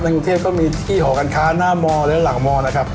กรุงเทพก็มีที่หอการค้าหน้ามและหลังมนะครับ